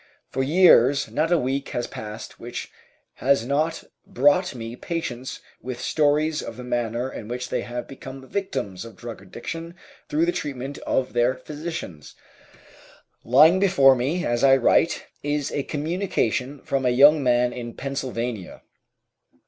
For years not a week has passed which has not brought me patients with stories of the manner in which they have become victims of drug addiction through the treatment of their physicians. Lying before me as I write is a communication from a young man in Pennsylvania.